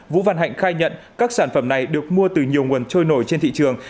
vũ văn hạnh khai nhận các sản phẩm này được mua từ nhiều nguồn trôi nổi trên thị trường